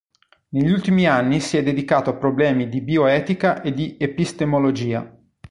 Negli ultimi anni si è dedicato a problemi di bioetica e di epistemologia.